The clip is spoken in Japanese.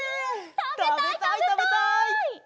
たべたいたべたい！